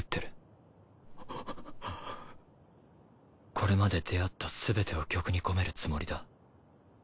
これまで出会ったすべてを曲に込めるつもりだ。